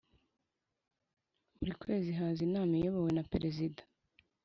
Buri kwezi haba inama iyobowe na Perezida